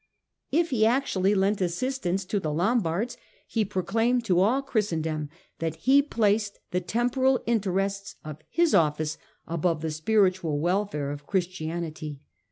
If he actually lent assistance to the Lombards, he proclaimed to all Christendom that he placed the temporal interests of his office above the spiritual welfare of Christianity.